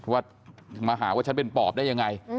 ว่ามาหาว่าฉันเป็นปอบได้ยังไง